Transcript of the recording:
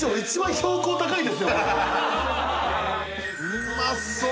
うまそう！